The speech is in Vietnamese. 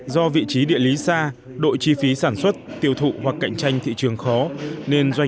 do vị trí địa lý xa đội chi phí sản xuất tiêu thụ hoặc cạnh tranh thị trường khó nên doanh